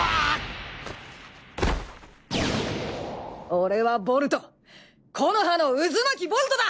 俺はボルト木ノ葉のうずまきボルトだ！